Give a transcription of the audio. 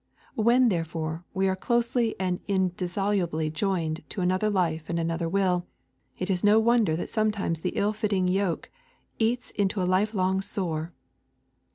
When therefore, we are closely and indissolubly joined to another life and another will, it is no wonder that sometimes the ill fitting yoke eats into a lifelong sore.